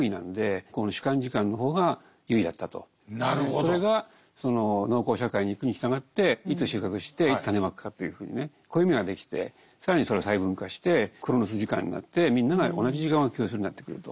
それがその農耕社会に行くに従っていつ収穫していつ種まくかというふうにね暦ができて更にそれを細分化してクロノス時間になってみんなが同じ時間を共有するようになってくると。